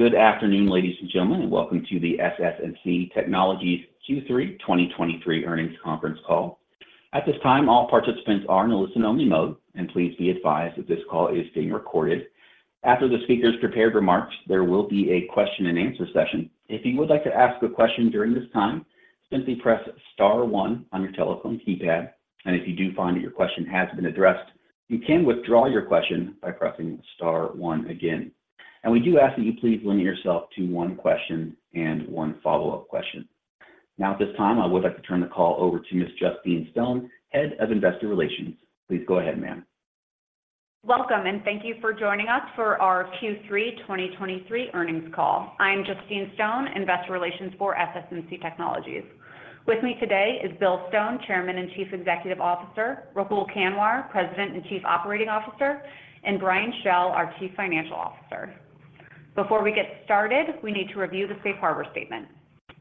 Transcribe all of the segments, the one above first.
Good afternoon, ladies and gentlemen, and welcome to the SS&C Technologies Q3 2023 Earnings Conference Call. At this time, all participants are in a listen-only mode, and please be advised that this call is being recorded. After the speaker's prepared remarks, there will be a question-and-answer session. If you would like to ask a question during this time, simply press star one on your telephone keypad, and if you do find that your question has been addressed, you can withdraw your question by pressing star one again. And we do ask that you please limit yourself to one question and one follow-up question. Now, at this time, I would like to turn the call over to Ms. Justine Stone, Head of Investor Relations. Please go ahead, ma'am. Welcome, and thank you for joining us for our Q3 2023 earnings call. I'm Justine Stone, Investor Relations for SS&C Technologies. With me today is Bill Stone, Chairman and Chief Executive Officer, Rahul Kanwar, President and Chief Operating Officer, and Brian Schell, our Chief Financial Officer. Before we get started, we need to review the safe harbor statement.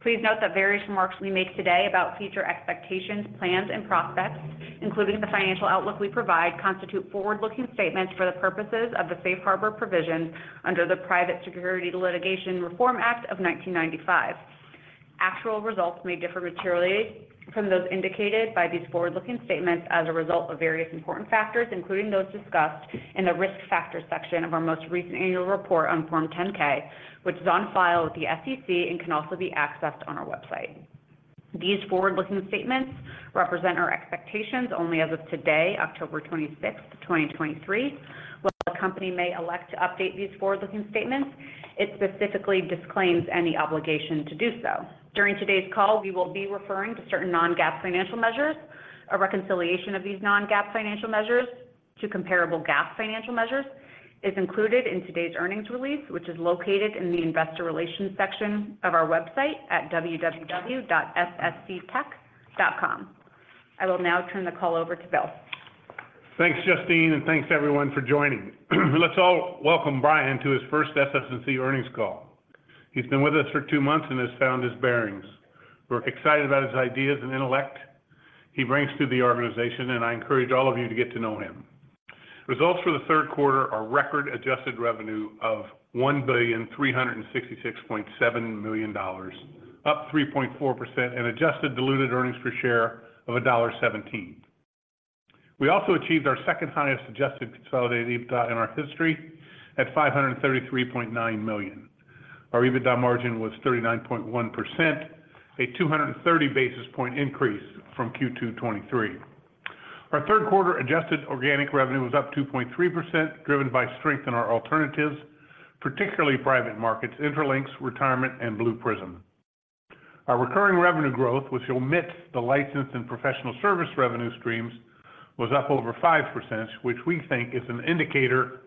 Please note that various remarks we make today about future expectations, plans, and prospects, including the financial outlook we provide, constitute forward-looking statements for the purposes of the safe harbor provisions under the Private Securities Litigation Reform Act of 1995. Actual results may differ materially from those indicated by these forward-looking statements as a result of various important factors, including those discussed in the risk factors section of our most recent annual report on Form 10-K, which is on file with the SEC and can also be accessed on our website. These forward-looking statements represent our expectations only as of today, October 26, 2023. While the company may elect to update these forward-looking statements, it specifically disclaims any obligation to do so. During today's call, we will be referring to certain non-GAAP financial measures. A reconciliation of these non-GAAP financial measures to comparable GAAP financial measures is included in today's earnings release, which is located in the Investor Relations section of our website at www.ssctech.com. I will now turn the call over to Bill. Thanks, Justine, and thanks to everyone for joining. Let's all welcome Brian to his first SS&C earnings call. He's been with us for two months and has found his bearings. We're excited about his ideas and intellect he brings to the organization, and I encourage all of you to get to know him. Results for the third quarter are record adjusted revenue of $1,366.7 million, up 3.4%, and adjusted diluted earnings per share of $1.17. We also achieved our second highest adjusted consolidated EBITDA in our history at $533.9 million. Our EBITDA margin was 39.1%, a 230 basis point increase from Q2 2023. Our third quarter adjusted organic revenue was up 2.3%, driven by strength in our alternatives, particularly private markets, Intralinks, retirement, and Blue Prism. Our recurring revenue growth, which omits the license and professional service revenue streams, was up over 5%, which we think is an indicator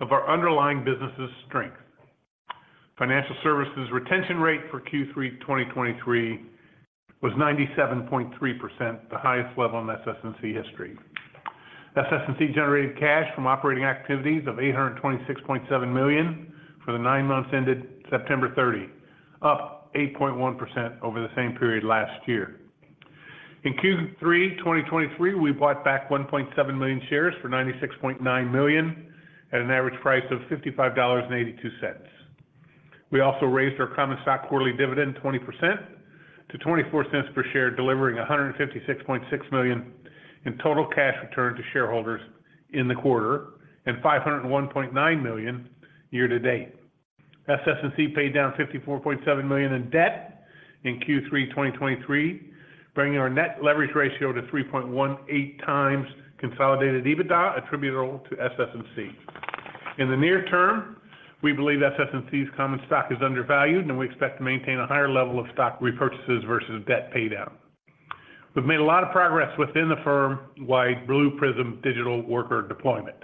of our underlying business's strength. Financial services retention rate for Q3 2023 was 97.3%, the highest level in SS&C history. SS&C generated cash from operating activities of $826.7 million for the nine months ended September 30, up 8.1% over the same period last year. In Q3 2023, we bought back 1.7 million shares for $96.9 million at an average price of $55.82. We also raised our common stock quarterly dividend 20% to $0.24 per share, delivering $156.6 million in total cash return to shareholders in the quarter and $501.9 million year to date. SS&C paid down $54.7 million in debt in Q3 2023, bringing our net leverage ratio to 3.18 times consolidated EBITDA attributable to SS&C. In the near term, we believe SS&C's common stock is undervalued, and we expect to maintain a higher level of stock repurchases versus debt paydown. We've made a lot of progress within the firm-wide Blue Prism digital worker deployment.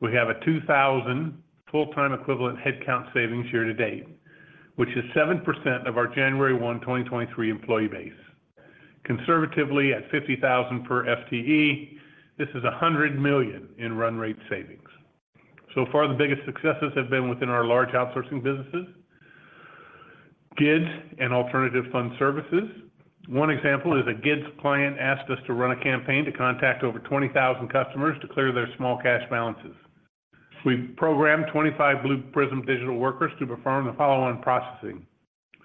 We have a 2,000 full-time equivalent headcount savings year to date, which is 7% of our January 1, 2023 employee base. Conservatively, at $50,000 per FTE, this is $100 million in run rate savings. So far, the biggest successes have been within our large outsourcing businesses, GIDS and Alternative Fund Services. One example is a GIDS client asked us to run a campaign to contact over 20,000 customers to clear their small cash balances. We programmed 25 Blue Prism digital workers to perform the follow-on processing,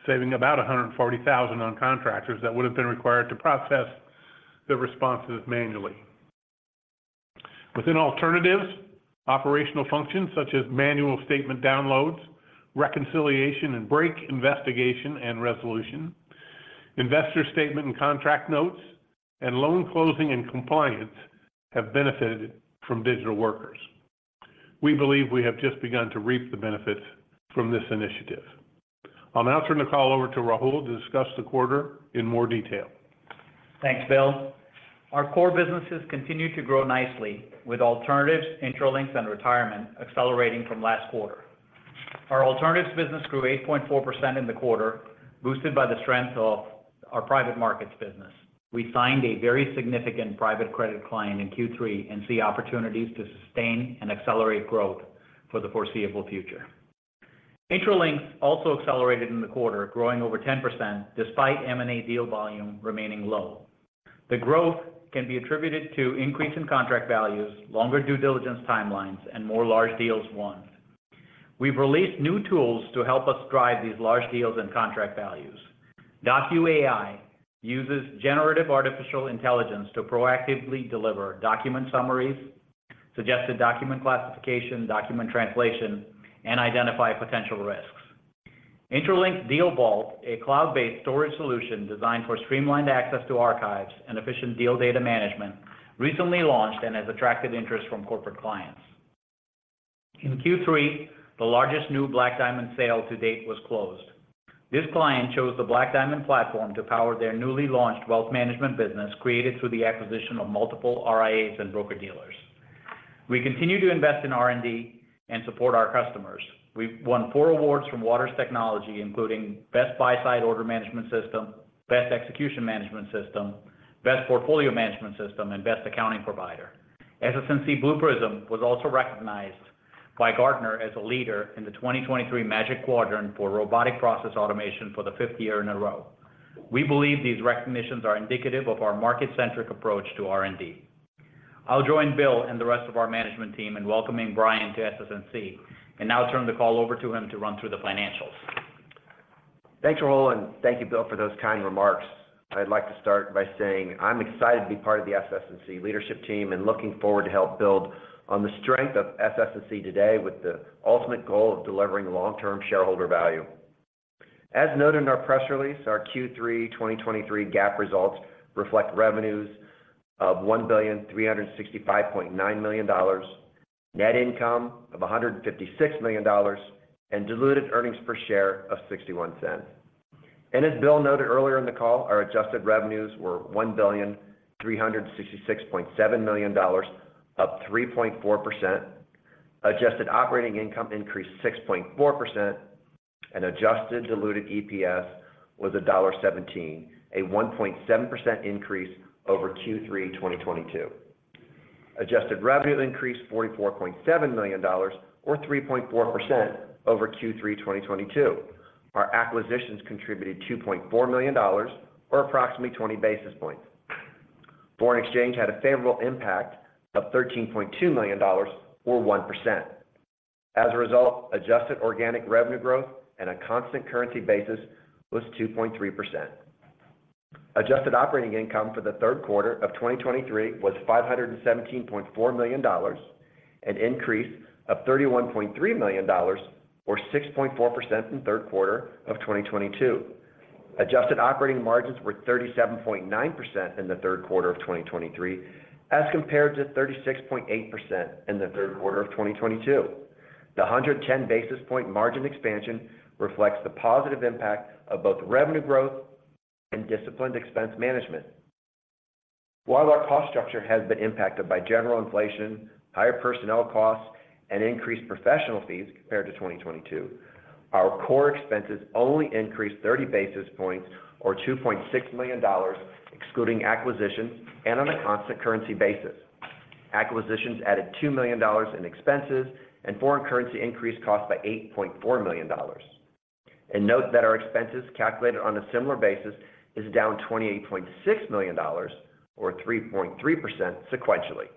saving about $140,000 on contractors that would have been required to process the responses manually. Within alternatives, operational functions such as manual statement downloads, reconciliation and break investigation and resolution, investor statement and contract notes, and loan closing and compliance have benefited from digital workers. We believe we have just begun to reap the benefits from this initiative. I'll now turn the call over to Rahul to discuss the quarter in more detail. Thanks, Bill. Our core businesses continue to grow nicely with alternatives, Intralinks, and retirement accelerating from last quarter. Our alternatives business grew 8.4% in the quarter, boosted by the strength of our private markets business. We signed a very significant private credit client in Q3 and see opportunities to sustain and accelerate growth for the foreseeable future. Intralinks also accelerated in the quarter, growing over 10%, despite M&A deal volume remaining low. The growth can be attributed to increase in contract values, longer due diligence timelines, and more large deals won. We've released new tools to help us drive these large deals and contract values. Intralinks DocuAI uses generative AI to proactively deliver document summaries, suggested document classification, document translation, and identify potential risks. SS&C Intralinks DealVault, a cloud-based storage solution designed for streamlined access to archives and efficient deal data management, recently launched and has attracted interest from corporate clients. In Q3, the largest new Black Diamond sale to date was closed. This client chose the Black Diamond Wealth Platform to power their newly launched wealth management business, created through the acquisition of multiple RIAs and broker-dealers. We continue to invest in R&D and support our customers. We've won four awards from Waters Technology, including Best Buy-Side Order Management System, Best Execution Management System, Best Portfolio Management System, and Best Accounting Provider. SS&C Blue Prism was also recognized by Gartner as a leader in the 2023 Magic Quadrant for Robotic Process Automation for the 5th year in a row. We believe these recognitions are indicative of our market-centric approach to R&D. I'll join Bill and the rest of our management team in welcoming Brian to SS&C, and now turn the call over to him to run through the financials. Thanks, Rahul, and thank you, Bill, for those kind remarks. I'd like to start by saying I'm excited to be part of the SS&C leadership team and looking forward to help build on the strength of SS&C today, with the ultimate goal of delivering long-term shareholder value. As noted in our press release, our Q3 2023 GAAP results reflect revenues of $1,365.9 million, net income of $156 million, and diluted earnings per share of $0.61. As Bill noted earlier in the call, our adjusted revenues were $1,366.7 million, up 3.4%. Adjusted operating income increased 6.4%, and adjusted diluted EPS was $1.17, a 1.7% increase over Q3 2022. Adjusted revenue increased $44.7 million or 3.4% over Q3 2022. Our acquisitions contributed $2.4 million or approximately 20 basis points. Foreign exchange had a favorable impact of $13.2 million or 1%. As a result, adjusted organic revenue growth in a constant currency basis was 2.3%. Adjusted operating income for the third quarter of 2023 was $517.4 million, an increase of $31.3 million, or 6.4% from third quarter of 2022. Adjusted operating margins were 37.9% in the third quarter of 2023, as compared to 36.8% in the third quarter of 2022. The 110 basis point margin expansion reflects the positive impact of both revenue growth and disciplined expense management. While our cost structure has been impacted by general inflation, higher personnel costs, and increased professional fees compared to 2022, our core expenses only increased 30 basis points or $2.6 million, excluding acquisitions and on a constant currency basis. Acquisitions added $2 million in expenses, and foreign currency increased costs by $8.4 million. Note that our expenses calculated on a similar basis is down $28.6 million, or 3.3% sequentially.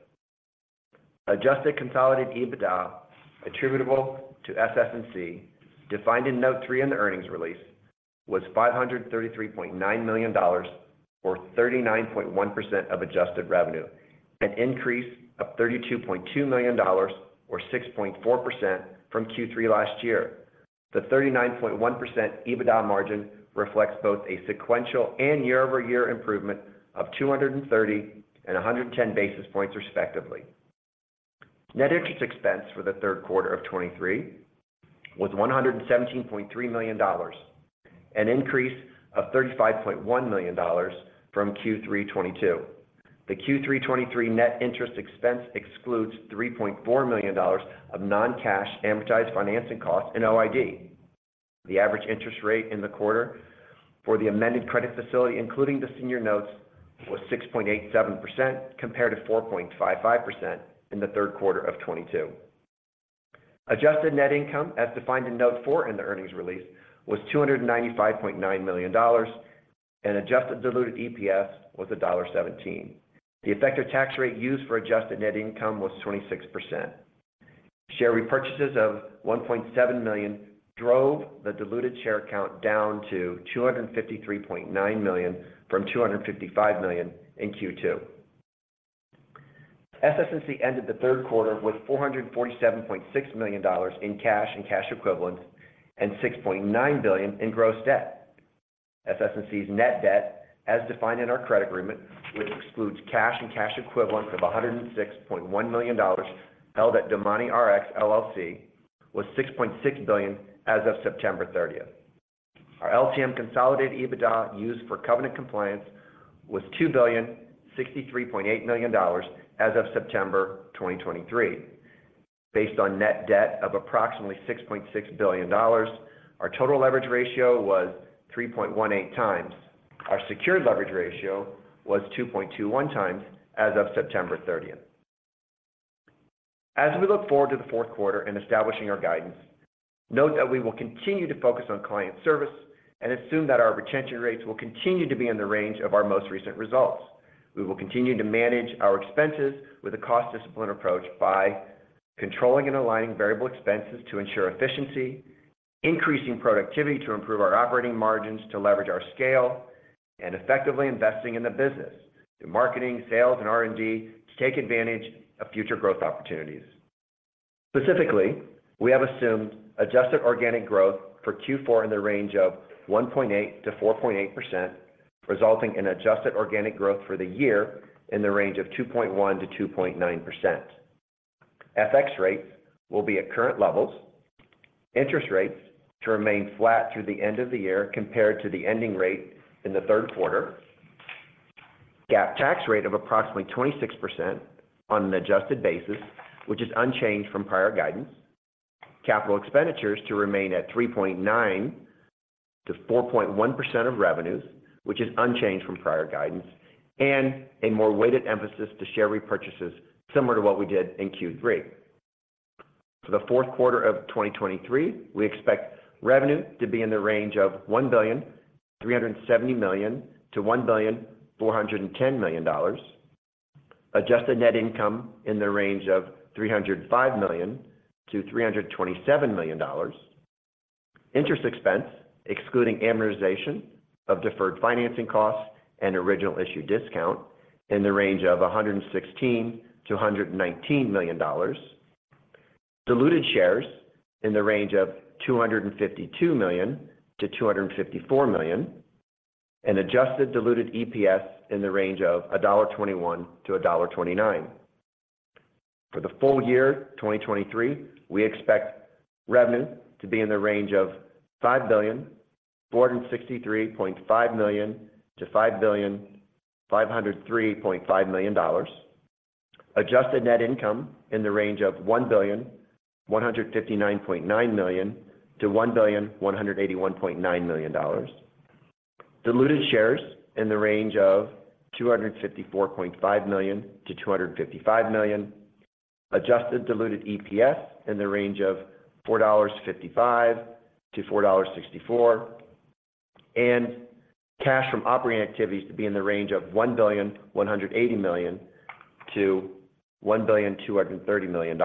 Adjusted consolidated EBITDA attributable to SS&C, defined in note three in the earnings release, was $533.9 million or 39.1% of adjusted revenue, an increase of $32.2 million or 6.4% from Q3 last year. The 39.1% EBITDA margin reflects both a sequential and year-over-year improvement of 230 and 110 basis points, respectively. Net interest expense for the third quarter of 2023 was $117.3 million, an increase of $35.1 million from Q3 2022. The Q3 2023 net interest expense excludes $3.4 million of non-cash amortized financing costs and OID. The average interest rate in the quarter for the amended credit facility, including the senior notes, was 6.87%, compared to 4.55% in the third quarter of 2022. Adjusted net income, as defined in note four in the earnings release, was $295.9 million, and adjusted diluted EPS was $1.17. The effective tax rate used for adjusted net income was 26%. Share repurchases of 1.7 million drove the diluted share count down to 253.9 million from 255 million in Q2. SS&C ended the third quarter with $447.6 million in cash and cash equivalents and $6.9 billion in gross debt. SS&C's net debt, as defined in our credit agreement, which excludes cash and cash equivalents of $106.1 million held at DomaniRx LLC, was $6.6 billion as of September 30. Our LTM consolidated EBITDA used for covenant compliance was $2,063.8 million as of September 2023. Based on net debt of approximately $6.6 billion, our total leverage ratio was 3.18 times. Our secured leverage ratio was 2.21 times as of September 30th. As we look forward to the fourth quarter in establishing our guidance, note that we will continue to focus on client service and assume that our retention rates will continue to be in the range of our most recent results. We will continue to manage our expenses with a cost discipline approach by controlling and aligning variable expenses to ensure efficiency, increasing productivity to improve our operating margins to leverage our scale, and effectively investing in the business, in marketing, sales, and R&D, to take advantage of future growth opportunities. Specifically, we have assumed adjusted organic growth for Q4 in the range of 1.8%-4.8%, resulting in adjusted organic growth for the year in the range of 2.1%-2.9%. FX rates will be at current levels, interest rates to remain flat through the end of the year compared to the ending rate in the third quarter, GAAP tax rate of approximately 26% on an adjusted basis, which is unchanged from prior guidance. Capital expenditures to remain at 3.9%-4.1% of revenues, which is unchanged from prior guidance, and a more weighted emphasis to share repurchases, similar to what we did in Q3. For the fourth quarter of 2023, we expect revenue to be in the range of $1.37 billion-$1.41 billion. Adjusted net income in the range of $305 million-$327 million. Interest expense, excluding amortization of deferred financing costs and original issue discount, in the range of $116 million-$119 million. Diluted shares in the range of 252 million-254 million, and adjusted diluted EPS in the range of $1.21-$1.29. For the full year 2023, we expect revenue to be in the range of $5,463.5 million-$5,503.5 million. Adjusted net income in the range of $1,159.9 million-$1,181.9 million. Diluted shares in the range of 254.5 million-255 million. Adjusted diluted EPS in the range of $4.55-$4.64. Cash from operating activities to be in the range of $1.18 billion-$1.23 billion.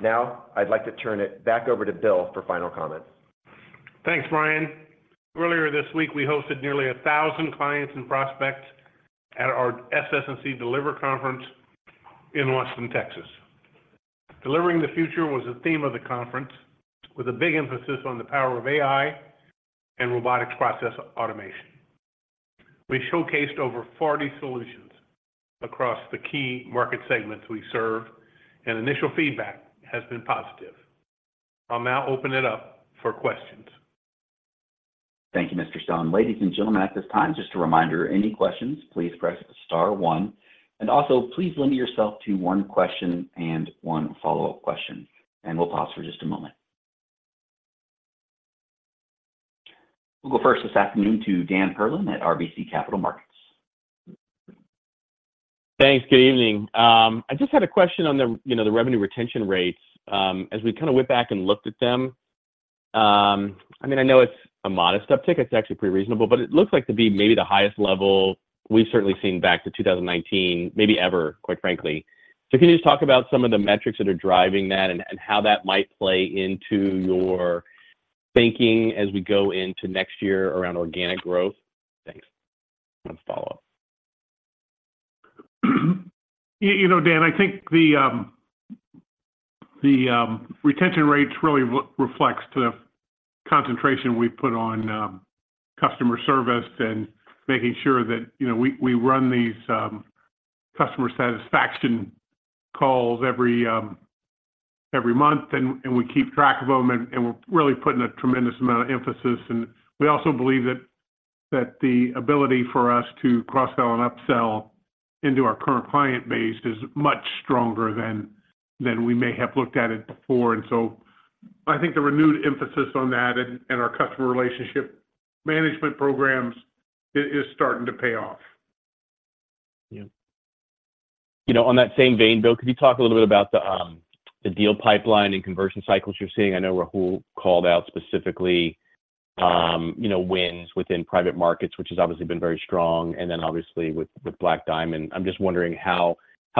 Now, I'd like to turn it back over to Bill for final comments. Thanks, Brian. Earlier this week, we hosted nearly 1,000 clients and prospects at our SS&C Deliver Conference in Austin, Texas. Delivering the Future was the theme of the conference, with a big emphasis on the power of AI and robotic process automation. We showcased over 40 solutions across the key market segments we serve, and initial feedback has been positive. I'll now open it up for questions. Thank you, Mr. Stone. Ladies and gentlemen, at this time, just a reminder, any questions, please press star one, and also please limit yourself to one question and one follow-up question, and we'll pause for just a moment. We'll go first this afternoon to Dan Perlin at RBC Capital Markets. Thanks. Good evening. I just had a question on the, you know, the revenue retention rates. As we kind of went back and looked at them, I mean, I know it's a modest uptick. It's actually pretty reasonable, but it looks like to be maybe the highest level we've certainly seen back to 2019, maybe ever, quite frankly. So can you just talk about some of the metrics that are driving that and, and how that might play into your thinking as we go into next year around organic growth? Thanks. One follow-up. You know, Dan, I think the retention rates really reflects to the concentration we put on customer service and making sure that, you know, we run these customer satisfaction calls every month, and we keep track of them, and we're really putting a tremendous amount of emphasis. And we also believe that the ability for us to cross-sell and upsell into our current client base is much stronger than we may have looked at it before. And so I think the renewed emphasis on that and our customer relationship management programs is starting to pay off. Yeah. You know, on that same vein, Bill, could you talk a little bit about the deal pipeline and conversion cycles you're seeing? I know Rahul called out specifically, you know, wins within private markets, which has obviously been very strong, and then obviously with Black Diamond. I'm just wondering how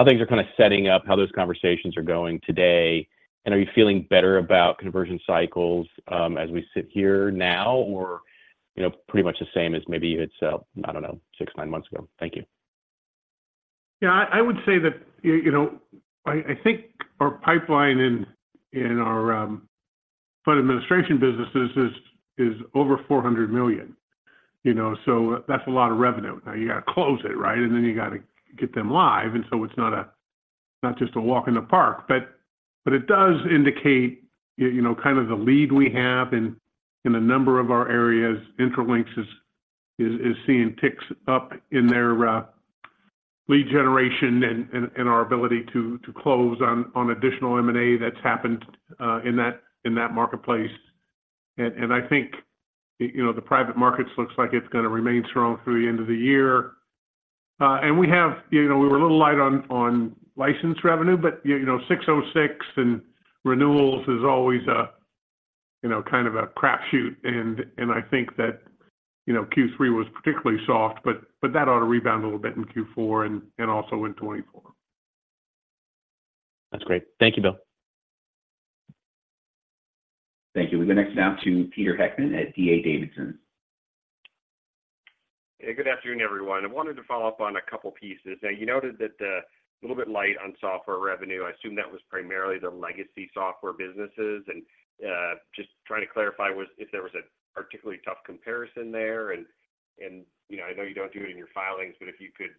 things are kind of setting up, how those conversations are going today, and are you feeling better about conversion cycles as we sit here now, or, you know, pretty much the same as maybe it's, I don't know, six, nine months ago? Thank you. Yeah, I would say that, you know, I think our pipeline in our fund administration businesses is over $400 million, you know, so that's a lot of revenue. Now you got to close it, right? And then you got to get them live, and so it's not a—not just a walk in the park. But it does indicate you know, kind of the lead we have in a number of our areas. Intralinks is seeing ticks up in their lead generation and our ability to close on additional M&A that's happened in that marketplace. And I think, you know, the private markets looks like it's gonna remain strong through the end of the year. We have, you know, we were a little light on, on license revenue, but, you know, 606 and renewals is always a, you know, kind of a crapshoot. I think that, you know, Q3 was particularly soft, but that ought to rebound a little bit in Q4 and also in 2024. That's great. Thank you, Bill. Thank you. We go next now to Peter Heckmann at D.A. Davidson. Hey, good afternoon, everyone. I wanted to follow up on a couple pieces. Now, you noted that a little bit light on software revenue. I assume that was primarily the legacy software businesses, and just trying to clarify if there was a particularly tough comparison there. And you know, I know you don't do it in your filings, but if you could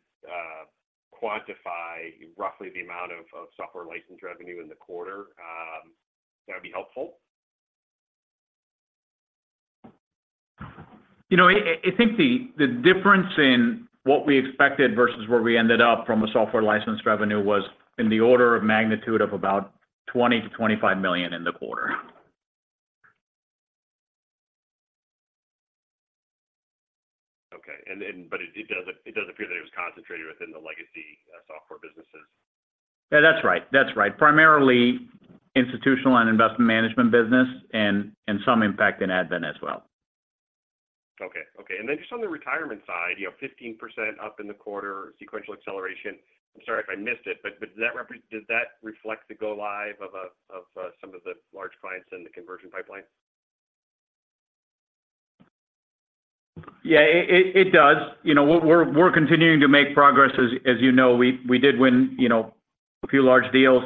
quantify roughly the amount of software license revenue in the quarter, that'd be helpful. You know, I think the difference in what we expected versus where we ended up from a software license revenue was in the order of magnitude of about $20 million-$25 million in the quarter. Okay. It does, it does appear that it was concentrated within the legacy software businesses. Yeah, that's right. That's right. Primarily institutional and investment management business, and some impact in Advent as well. Okay. Okay, and then just on the retirement side, you know, 15% up in the quarter, sequential acceleration. I'm sorry if I missed it, but does that reflect the go live of, of some of the large clients in the conversion pipeline? Yeah, it, it, it does. You know, we're, we're continuing to make progress, as, as you know, we, we did win, you know, a few large deals.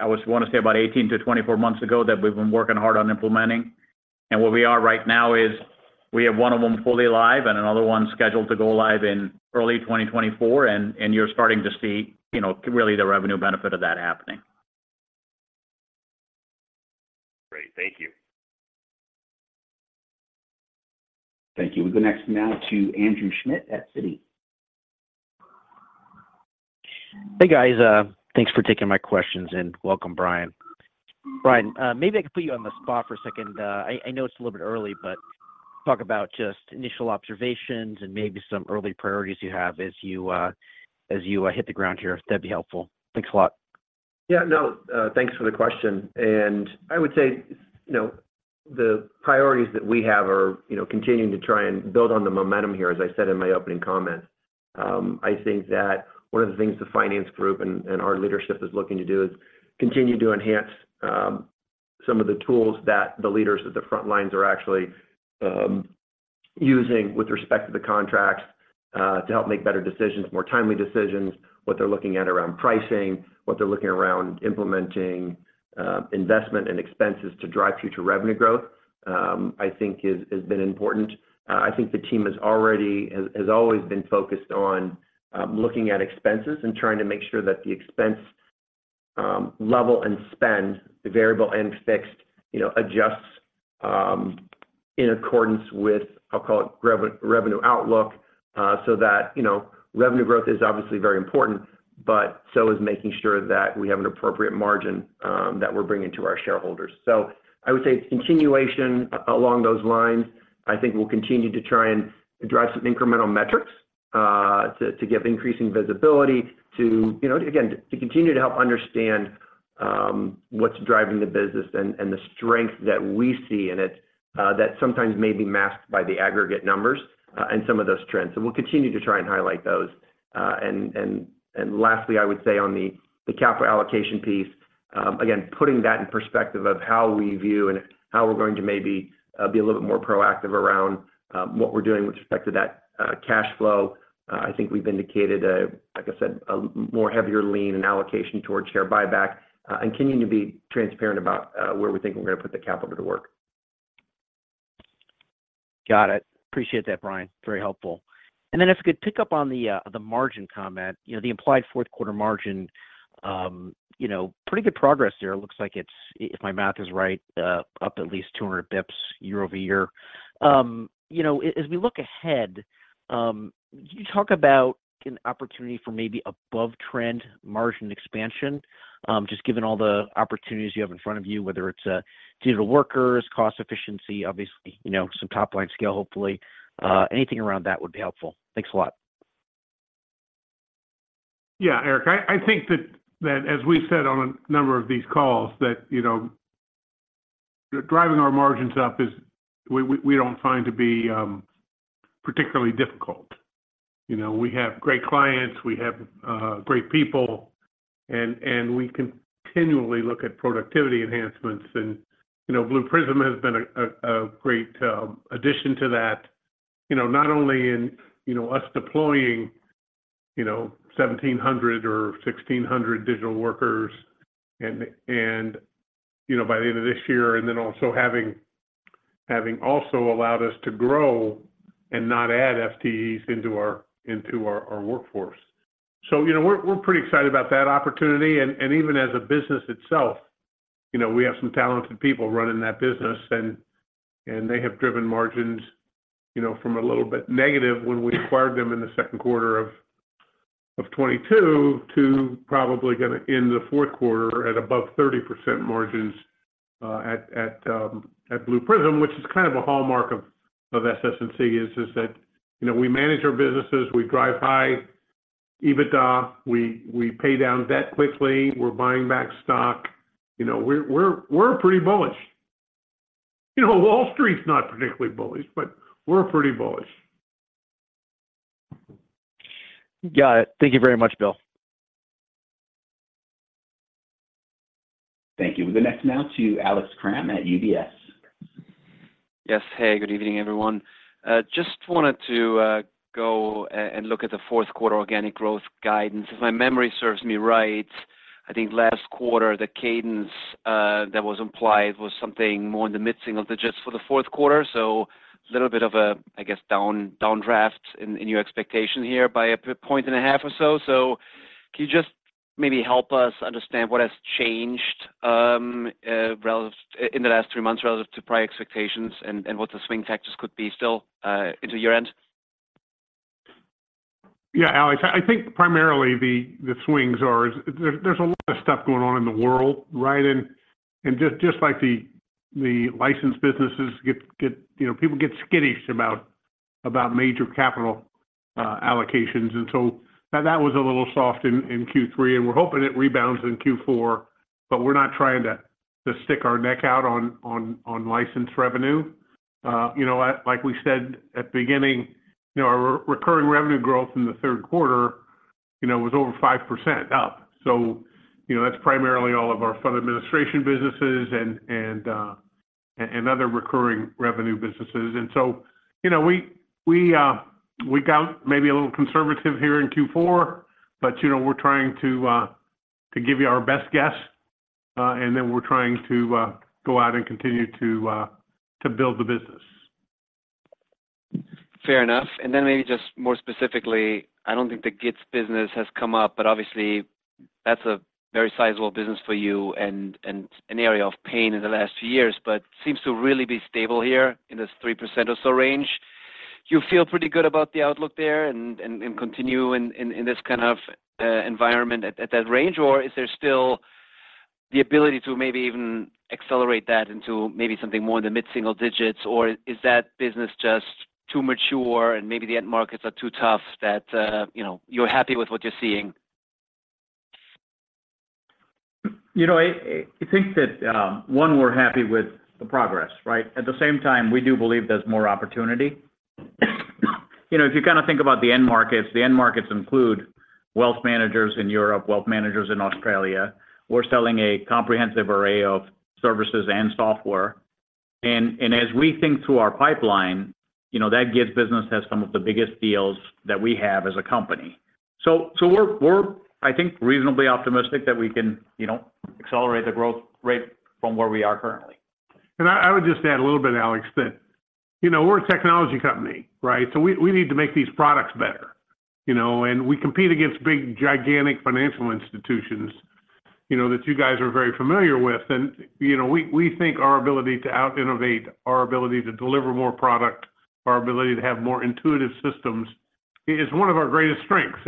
I was gonna say about 18-24 months ago, that we've been working hard on implementing. Where we are right now is, we have one of them fully live and another one scheduled to go live in early 2024, and you're starting to see, you know, really the revenue benefit of that happening. Great. Thank you. Thank you. We go next now to Andrew Schmidt at Citi. Hey, guys. Thanks for taking my questions, and welcome, Brian. Brian, maybe I can put you on the spot for a second. I know it's a little bit early, but talk about just initial observations and maybe some early priorities you have as you hit the ground here. That'd be helpful. Thanks a lot. Yeah, no, thanks for the question, and I would say, you know, the priorities that we have are, you know, continuing to try and build on the momentum here, as I said in my opening comments. I think that one of the things the finance group and our leadership is looking to do is continue to enhance some of the tools that the leaders at the front lines are actually using with respect to the contracts to help make better decisions, more timely decisions. What they're looking at around pricing, what they're looking around implementing, investment and expenses to drive future revenue growth, I think has been important. I think the team has already has always been focused on looking at expenses and trying to make sure that the expense level and spend, the variable and fixed, you know, adjusts in accordance with, I'll call it, revenue outlook. So that you know, revenue growth is obviously very important, but so is making sure that we have an appropriate margin that we're bringing to our shareholders. So I would say continuation along those lines, I think we'll continue to try and drive some incremental metrics to give increasing visibility to. You know, again, to continue to help understand what's driving the business and the strength that we see in it that sometimes may be masked by the aggregate numbers and some of those trends. So we'll continue to try and highlight those. Lastly, I would say on the capital allocation piece, again, putting that in perspective of how we view and how we're going to maybe be a little bit more proactive around what we're doing with respect to that cash flow. I think we've indicated, like I said, a more heavier lean and allocation towards share buyback, and continuing to be transparent about where we think we're gonna put the capital to work. Got it. Appreciate that, Brian. Very helpful. And then if I could pick up on the margin comment, you know, the implied fourth quarter margin, you know, pretty good progress there. It looks like it's, if my math is right, up at least 200 basis points year-over-year. You know, as we look ahead, you talk about an opportunity for maybe above trend margin expansion, just given all the opportunities you have in front of you, whether it's digital workers, cost efficiency, obviously, you know, some top-line scale, hopefully, anything around that would be helpful. Thanks a lot. Yeah, Andrew, I think that as we've said on a number of these calls, that you know, driving our margins up is we don't find to be particularly difficult. You know, we have great clients, we have great people, and we continually look at productivity enhancements. And you know, Blue Prism has been a great addition to that. You know, not only in you know, us deploying you know, 1,700 or 1,600 digital workers, and you know, by the end of this year, and then also having allowed us to grow and not add FTEs into our workforce. So you know, we're pretty excited about that opportunity. Even as a business itself, you know, we have some talented people running that business, and they have driven margins, you know, from a little bit negative when we acquired them in the second quarter of 2022 to probably gonna end the fourth quarter at above 30% margins at Blue Prism, which is kind of a hallmark of SS&C, that you know, we manage our businesses, we drive high EBITDA, we pay down debt quickly, we're buying back stock. You know, we're pretty bullish. You know, Wall Street's not particularly bullish, but we're pretty bullish. Got it. Thank you very much, Bill. Thank you. We go next now to Alex Kramm at UBS. Yes. Hey, good evening, everyone. Just wanted to go and look at the fourth quarter organic growth guidance. If my memory serves me right, I think last quarter, the cadence that was implied was something more in the mid-single digits for the fourth quarter. A little bit of a, I guess, down draft in your expectation here by a point and a half or so. Can you just maybe help us understand what has changed relative, in the last three months, relative to prior expectations, and what the swing factors could be still into year-end? Yeah, Alex, I think primarily the swings are, there's a lot of stuff going on in the world, right? And just like the licensed businesses get—you know, people get skittish about major capital allocations. And so that was a little soft in Q3, and we're hoping it rebounds in Q4, but we're not trying to stick our neck out on licensed revenue. You know, like we said at beginning, you know, our recurring revenue growth in the third quarter, you know, was over 5% up. So, you know, that's primarily all of our fund administration businesses and other recurring revenue businesses. And so, you know, we got maybe a little conservative here in Q4, but, you know, we're trying to give you our best guess, and then we're trying to go out and continue to build the business. Fair enough. Then maybe just more specifically, I don't think the GIDS business has come up, but obviously, that's a very sizable business for you and an area of pain in the last few years, but seems to really be stable here in this 3% or so range. Do you feel pretty good about the outlook there and continue in this kind of environment at that range? Or is there still the ability to maybe even accelerate that into maybe something more in the mid-single digits, or is that business just too mature and maybe the end markets are too tough that, you know, you're happy with what you're seeing? You know, I think that we're happy with the progress, right? At the same time, we do believe there's more opportunity. You know, if you kind of think about the end markets, the end markets include wealth managers in Europe, wealth managers in Australia. We're selling a comprehensive array of services and software. And as we think through our pipeline, you know, that GIDS business has some of the biggest deals that we have as a company. So we're, I think, reasonably optimistic that we can, you know, accelerate the growth rate from where we are currently. And I, I would just add a little bit, Alex, that, you know, we're a technology company, right? So we, we need to make these products better, you know, and we compete against big, gigantic financial institutions, you know, that you guys are very familiar with. And, you know, we, we think our ability to out-innovate, our ability to deliver more product, our ability to have more intuitive systems, is one of our greatest strengths.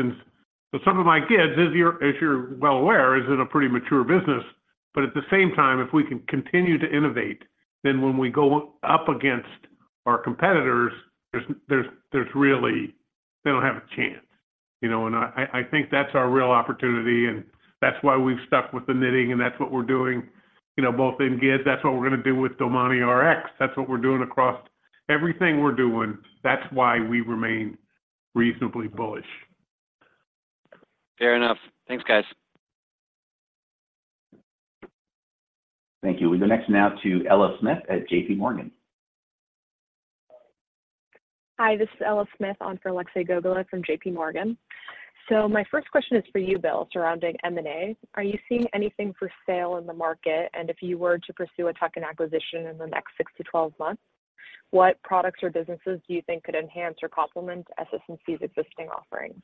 And so some of my GIDS, as you're, as you're well aware, is in a pretty mature business. But at the same time, if we can continue to innovate, then when we go up against our competitors, there's, there's, there's really. They don't have a chance, you know? And I, I think that's our real opportunity, and that's why we've stuck with the knitting, and that's what we're doing, you know, both in GIDS. That's what we're going to do with DomaniRx. That's what we're doing across everything we're doing. That's why we remain reasonably bullish. Fair enough. Thanks, guys. Thank you. We go next now to Ella Smith at JPMorgan. Hi, this is Ella Smith on for Alexei Gogolev from JPMorgan. My first question is for you, Bill, surrounding M&A. Are you seeing anything for sale in the market? And if you were to pursue a tuck-in acquisition in the next 6-12 months, what products or businesses do you think could enhance or complement SS&C's existing offerings?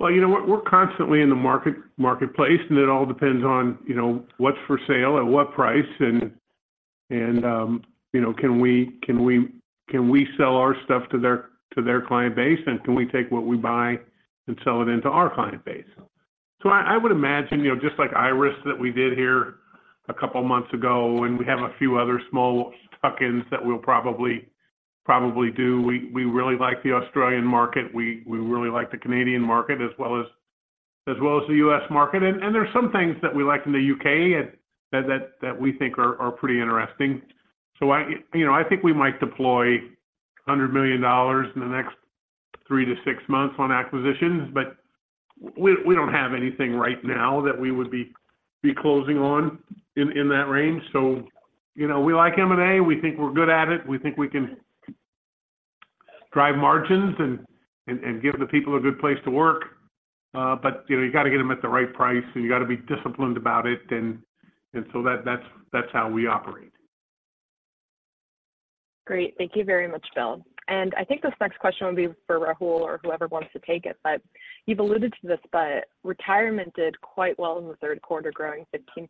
Well, you know, we're constantly in the marketplace, and it all depends on, you know, what's for sale, at what price, and, you know, can we sell our stuff to their client base, and can we take what we buy and sell it into our client base? So I would imagine, you know, just like Iress that we did here a couple of months ago, and we have a few other small tuck-ins that we'll probably do. We really like the Australian market. We really like the Canadian market, as well as the US market. And there are some things that we like in the U.K. that we think are pretty interesting. So I, you know, I think we might deploy $100 million in the next three to six months on acquisitions, but we don't have anything right now that we would be closing on in that range. So, you know, we like M&A. We think we're good at it. We think we can drive margins and give the people a good place to work. But, you know, you got to get them at the right price, and you got to be disciplined about it. And so that's how we operate. Great. Thank you very much, Bill. I think this next question would be for Rahul or whoever wants to take it, but— You've alluded to this, but retirement did quite well in the third quarter, growing 15%,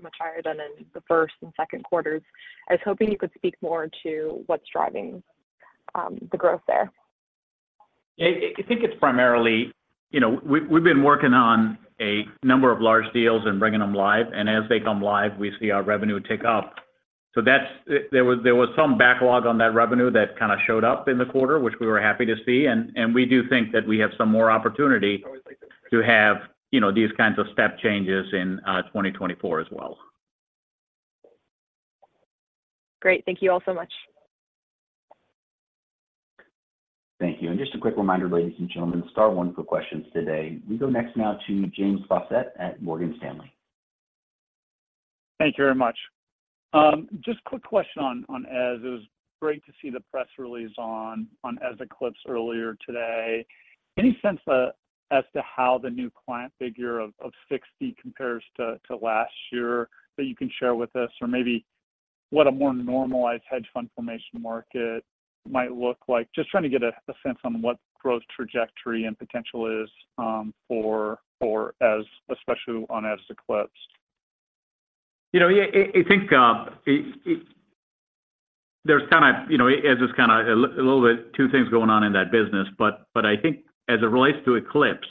much higher than in the first and second quarters. I was hoping you could speak more to what's driving the growth there. I think it's primarily, you know, we've been working on a number of large deals and bringing them live, and as they come live, we see our revenue tick up. So that's. There was some backlog on that revenue that kind of showed up in the quarter, which we were happy to see. And we do think that we have some more opportunity to have, you know, these kinds of step changes in 2024 as well. Great. Thank you all so much. Thank you, and just a quick reminder, ladies and gentlemen, star one for questions today. We go next now to James Faucette at Morgan Stanley. Thank you very much. Just a quick question on, on Eze. It was great to see the press release on, on Eze Eclipse earlier today. Any sense, as to how the new client figure of 60 compares to, to last year that you can share with us? Or maybe what a more normalized hedge fund formation market might look like? Just trying to get a sense on what growth trajectory and potential is, for, for Eze, especially on Eze Eclipse. You know, yeah, I, I think it, it—there's kind of, you know, Eze is kind of a little bit two things going on in that business. I think as it relates to Eclipse,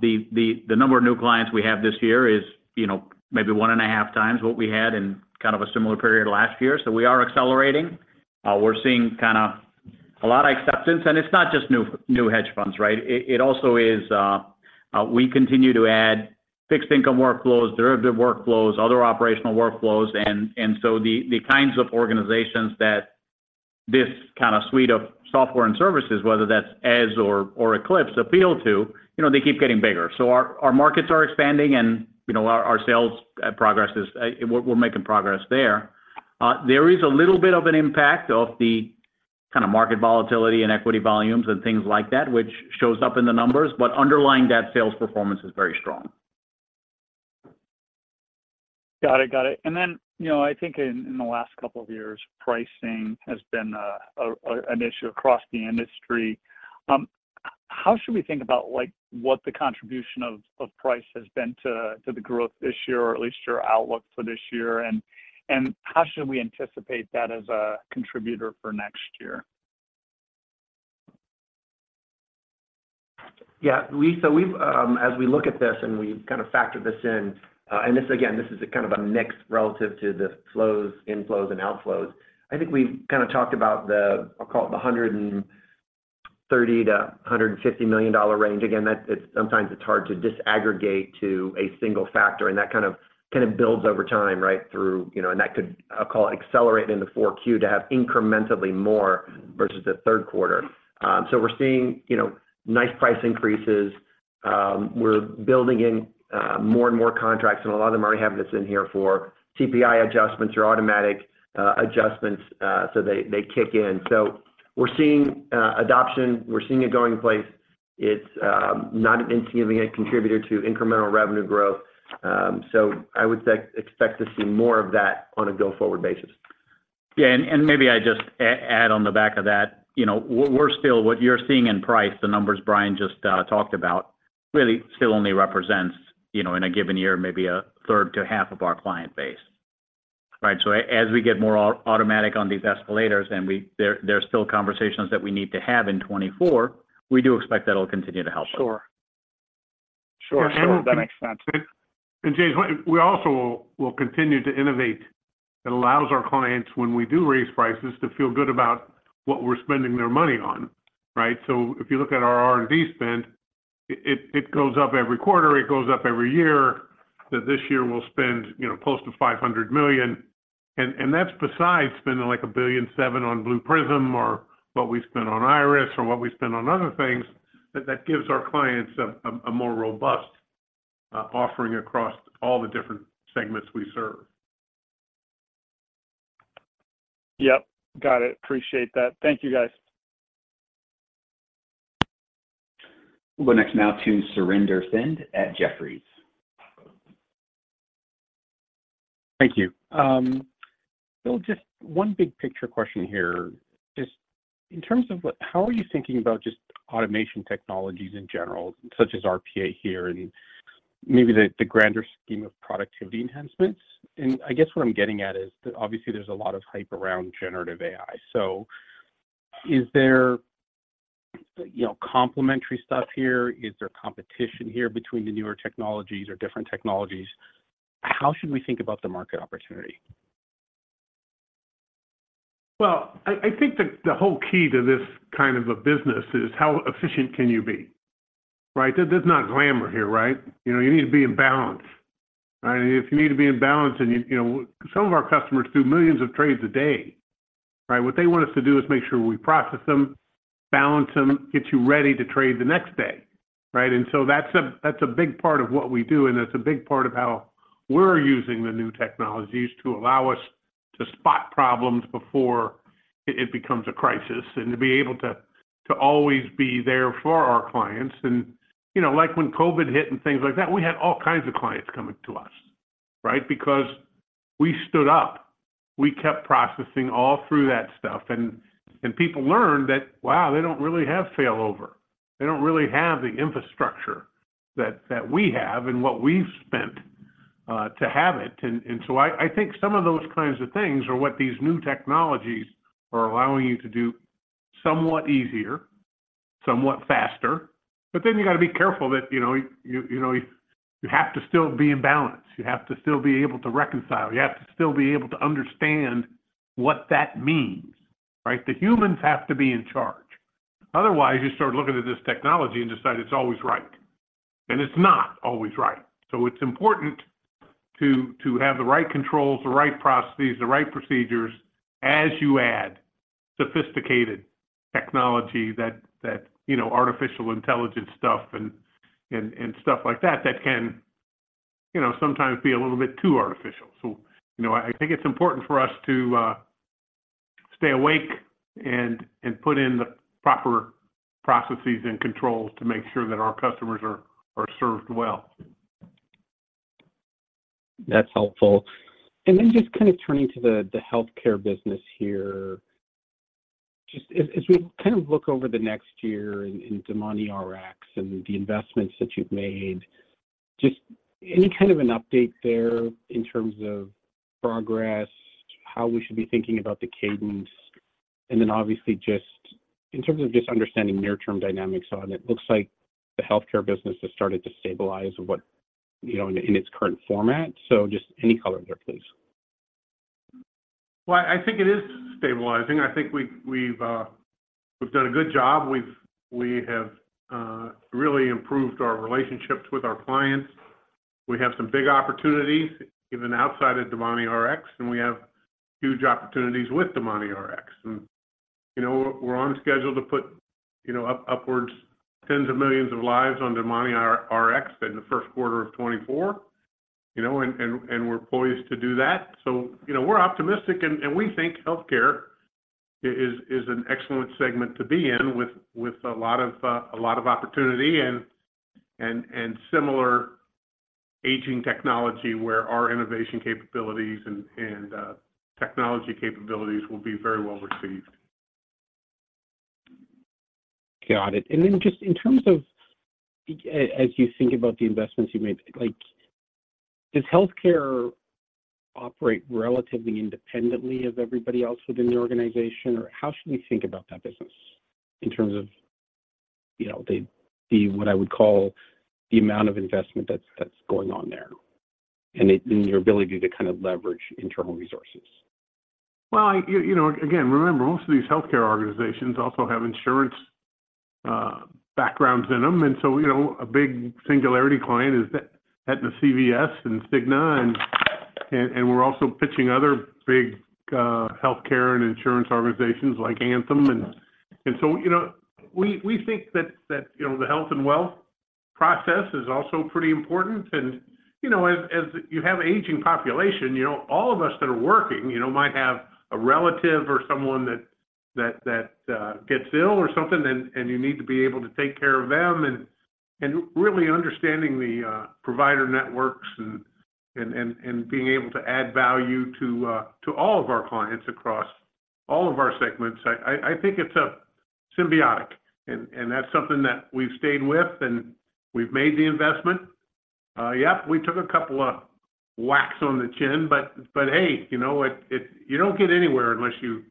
the, the number of new clients we have this year is, you know, maybe 1.5 times what we had in kind of a similar period last year. We are accelerating. We're seeing kind of a lot of acceptance, and it's not just new, new hedge funds, right? It also is, we continue to add fixed income workflows, derivative workflows, other operational workflows. The kinds of organizations that this kind of suite of software and services, whether that's Eze or Eclipse, appeal to, you know, they keep getting bigger. Our markets are expanding, and, you know, our sales progress is. We're making progress there. There is a little bit of an impact of the kind of market volatility and equity volumes and things like that, which shows up in the numbers, but underlying that sales performance is very strong. Got it. Got it. And then, you know, I think in the last couple of years, pricing has been an issue across the industry. How should we think about, like, what the contribution of price has been to the growth this year, or at least your outlook for this year, and how should we anticipate that as a contributor for next year? Yeah, so we've, as we look at this, and we've kind of factored this in, and this, again, this is a kind of a mix relative to the flows, inflows, and outflows. I think we've kind of talked about the, I'll call it the $130 million-$150 million range. Again, that's it sometimes it's hard to disaggregate to a single factor, and that kind of, kind of builds over time, right? Through, you know, and that could, I'll call it, accelerate in the 4Q to have incrementally more versus the third quarter. So we're seeing, you know, nice price increases. We're building in more and more contracts, and a lot of them already have this in here for CPI adjustments or automatic adjustments, so they kick in. So we're seeing adoption. We're seeing it going in place. It's not been significantly a contributor to incremental revenue growth. So I would expect to see more of that on a go-forward basis. Yeah, and maybe I just add on the back of that. You know, we're still what you're seeing in price, the numbers Brian just talked about, really still only represents, you know, in a given year, maybe a third to half of our client base, right? So as we get more automatic on these escalators, and there are still conversations that we need to have in 2024, we do expect that it'll continue to help. Sure. Sure, that makes sense. And, James, we also will continue to innovate. It allows our clients, when we do raise prices, to feel good about what we're spending their money on, right? So if you look at our R&D spend, it goes up every quarter, it goes up every year, that this year we'll spend, you know, close to $500 million. And that's besides spending, like, $1.7 billion on Blue Prism or what we spend on Iress or what we spend on other things, that gives our clients a more robust offering across all the different segments we serve. Yep, got it. Appreciate that. Thank you, guys. We'll go next now to Surinder Thind at Jefferies. Thank you. So just one big picture question here. Just in terms of what—how are you thinking about just automation technologies in general, such as RPA here and maybe the, the grander scheme of productivity enhancements? And I guess what I'm getting at is that obviously there's a lot of hype around generative AI. So is there, you know, complementary stuff here? Is there competition here between the newer technologies or different technologies? How should we think about the market opportunity? Well, I think the whole key to this kind of a business is how efficient can you be, right? There's no glamour here, right? You know, you need to be in balance, right? If you need to be in balance and you, you know, some of our customers do millions of trades a day, right? What they want us to do is make sure we process them, balance them, get you ready to trade the next day, right? And so that's a big part of what we do, and that's a big part of how we're using the new technologies to allow us to spot problems before it becomes a crisis, and to be able to always be there for our clients. And, you know, like, when COVID hit and things like that, we had all kinds of clients coming to us, right? Because we stood up, we kept processing all through that stuff, and people learned that, wow, they don't really have failover. They don't really have the infrastructure that we have and what we've spent to have it. And so I think some of those kinds of things are what these new technologies are allowing you to do somewhat easier, somewhat faster. But then you gotta be careful that, you know, you know, you have to still be in balance. You have to still be able to reconcile. You have to still be able to understand what that means, right? The humans have to be in charge. Otherwise, you start looking at this technology and decide it's always right, and it's not always right. So it's important to have the right controls, the right processes, the right procedures as you add sophisticated technology that you know, artificial intelligence stuff and stuff like that that can, you know, sometimes be a little bit too artificial. So, you know, I think it's important for us to stay awake and put in the proper processes and controls to make sure that our customers are served well. That's helpful. Then just kind of turning to the healthcare business here, just as we kind of look over the next year in DomaniRx and the investments that you've made, just any kind of an update there in terms of progress, how we should be thinking about the cadence? And then obviously, just in terms of just understanding near-term dynamics on it, looks like the healthcare business has started to stabilize, you know, in its current format. So just any color there, please. Well, I think it is stabilizing. I think we've, we've, we've done a good job. We've, we have, really improved our relationships with our clients. We have some big opportunities, even outside of DomaniRx, and we have huge opportunities with DomaniRx. You know, we're on schedule to put, you know, upwards tens of millions of lives on DomaniRx in the first quarter of 2024, you know, and, and, we're poised to do that. You know, we're optimistic, and, and we think healthcare is, is an excellent segment to be in with, with a lot of, a lot of opportunity and, and, and similar aging technology where our innovation capabilities and, and, technology capabilities will be very well received. Got it. And then just in terms of, as you think about the investments you've made, like, does healthcare operate relatively independently of everybody else within the organization? Or how should we think about that business in terms of, you know, the, what I would call the amount of investment that's, that's going on there and it, and your ability to kind of leverage internal resources? Well, you know, again, remember, most of these healthcare organizations also have insurance backgrounds in them. And so, you know, a big Singularity client is Aetna, CVS Health, and The Cigna Group, and we're also pitching other big healthcare and insurance organizations like Anthem. And so, you know, we think that, you know, the health and wealth process is also pretty important. You know, as you have an aging population, you know, all of us that are working might have a relative or someone that gets ill or something, and you need to be able to take care of them, and really understanding the provider networks and being able to add value to all of our clients across all of our segments, I think it's symbiotic, and that's something that we've stayed with, and we've made the investment. Yep, we took a couple of whacks on the chin, but, hey, you know what? You don't get anywhere unless you,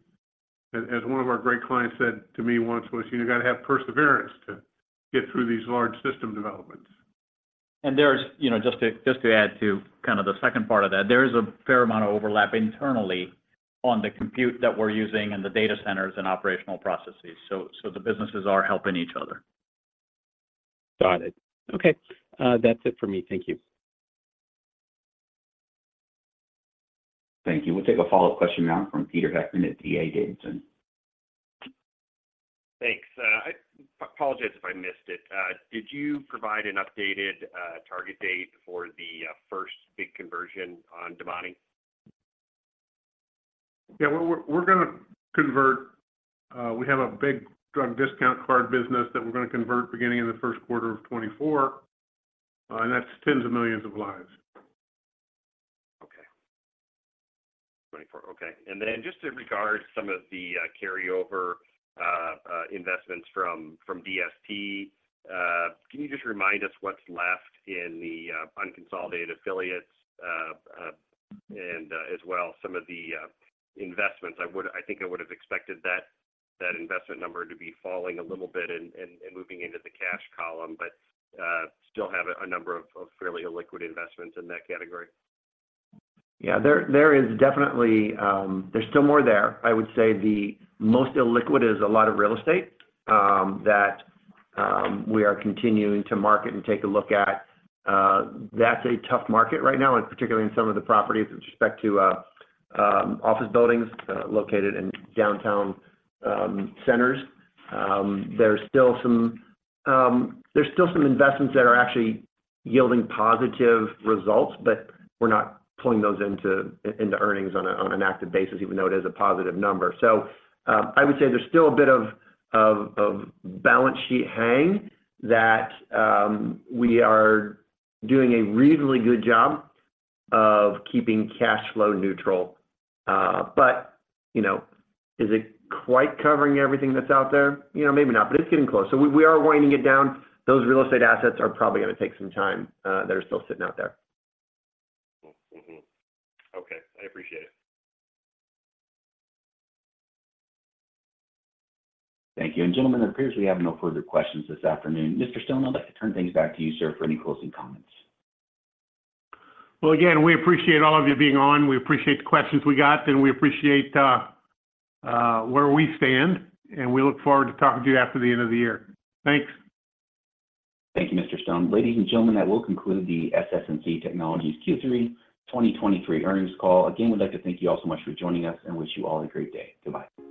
as one of our great clients said to me once, "You got to have perseverance to get through these large system developments. There's, you know, just to, just to add to kind of the second part of that, there is a fair amount of overlap internally on the compute that we're using and the data centers and operational processes. So, so the businesses are helping each other. Got it. Okay, that's it for me. Thank you. Thank you. We'll take a follow-up question now from Peter Heckmann at D.A. Davidson. Thanks. I apologize if I missed it. Did you provide an updated target date for the first big conversion on DomaniRx? Yeah, we're gonna convert. We have a big drug discount card business that we're gonna convert beginning in the first quarter of 2024, and that's tens of millions of lives. Okay. 24. Okay. And then just in regards to some of the carryover investments from DST, can you just remind us what's left in the unconsolidated affiliates, and as well, some of the investments? I think I would have expected that investment number to be falling a little bit and moving into the cash column, but still have a number of fairly illiquid investments in that category. Yeah, there is definitely, there's still more there. I would say the most illiquid is a lot of real estate that we are continuing to market and take a look at. That's a tough market right now, and particularly in some of the properties with respect to office buildings located in downtown centers. There's still some investments that are actually yielding positive results, but we're not pulling those into earnings on an active basis, even though it is a positive number. So, I would say there's still a bit of balance sheet hang that we are doing a reasonably good job of keeping cash flow neutral. But, you know, is it quite covering everything that's out there? You know, maybe not, but it's getting close. So we are winding it down. Those real estate assets are probably gonna take some time, that are still sitting out there. Mm-hmm. Okay, I appreciate it. Thank you. Gentlemen, it appears we have no further questions this afternoon. Mr. Stone, I'd like to turn things back to you, sir, for any closing comments. Well, again, we appreciate all of you being on. We appreciate the questions we got, and we appreciate where we stand, and we look forward to talking to you after the end of the year. Thanks. Thank you, Mr. Stone. Ladies and gentlemen, that will conclude the SS&C Technologies Q3 2023 earnings call. Again, we'd like to thank you all so much for joining us and wish you all a great day. Goodbye.